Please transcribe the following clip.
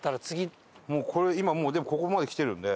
これ今もうでもここまで来てるんでそしたら。